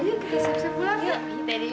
kita siap siap pulang nek